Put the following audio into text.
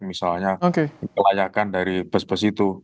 misalnya kelayakan dari bis bis itu